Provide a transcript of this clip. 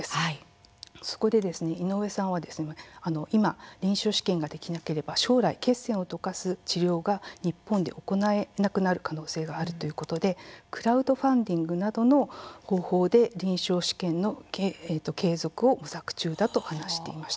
そこで井上さんは臨床試験ができなければ将来、血栓を溶かす治療が日本で行えなくなる可能性があるということでクラウドファンディングなどの方法で臨床試験の継続を模索中だということです。